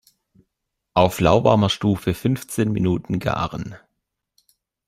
Auf lauwarmer Stufe fünfzehn Minuten garen.